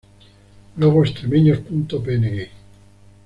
Logo Extremeños.png